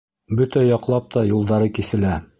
Бөтә яҡлап та юлдары киҫелә.